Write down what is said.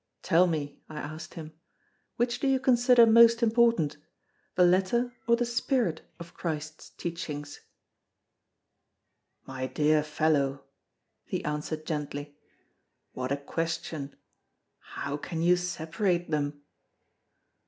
"Tell me," I asked him, "which do you consider most important—the letter or the spirit of Christ's teachings?" "My dear fellow," he answered gently, "what a question! How can you separate them?"